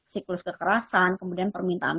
siklus kekerasan kemudian permintaan